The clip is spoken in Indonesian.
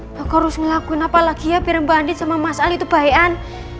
apa yang harus kamu lakukan apalagi ya perempuan andin sama mas ali itu bahayaan